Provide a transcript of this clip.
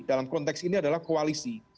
dalam konteks ini adalah koalisi